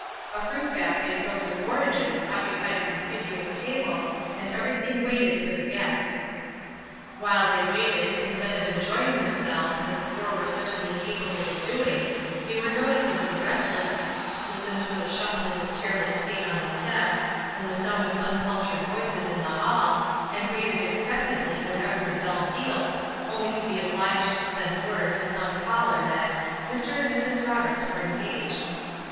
A fruit basket filled with oranges occupied a conspicuous table, and everything waited for the guests. While they waited, instead of enjoying themselves as the four were certainly capable of doing, they were noticeably restless; listened for the shuffling of careless feet on the steps, and the sound of uncultured voices in the hall, and waited expectantly whenever the bell pealed, only to be obliged to send word to some caller that "Mr. and Mrs. Roberts were engaged."